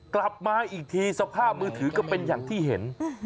กลับมาอีกทีสภาพมือถือก็เป็นอย่างที่เห็น